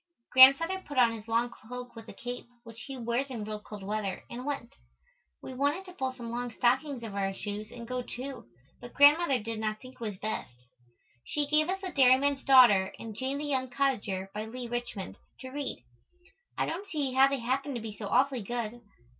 Grandfather put on his long cloak with a cape, which he wears in real cold weather, and went. We wanted to pull some long stockings over our shoes and go too but Grandmother did not think it was best. She gave us the "Dairyman's Daughter" and "Jane the Young Cottager," by Leigh Richmond, to read. I don't see how they happened to be so awfully good.